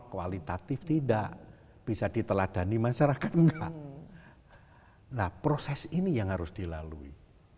kualitatif tidak bisa diteladani masyarakat enggak nah proses ini yang harus dilalui